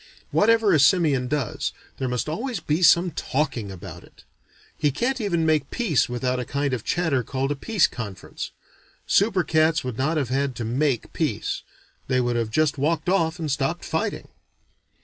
Whatever a simian does, there must always be some talking about it. He can't even make peace without a kind of chatter called a peace conference. Super cats would not have had to "make" peace: they would have just walked off and stopped fighting.